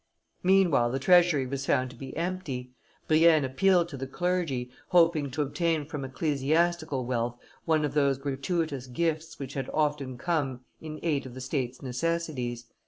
Meanwhile the treasury was found to be empty; Brienne appealed to the clergy, hoping to obtain from ecclesiastical wealth one of those gratuitous gifts which had often come in aid of the State's necessities.